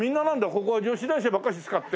ここは女子大生ばっかし使って。